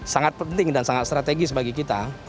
sangat penting dan sangat strategis bagi kita